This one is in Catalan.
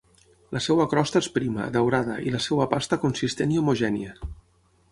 La seva crosta és prima, daurada, i la seva pasta consistent i homogènia.